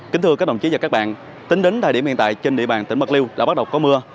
kính thưa các đồng chí và các bạn tính đến thời điểm hiện tại trên địa bàn tỉnh bạc liêu đã bắt đầu có mưa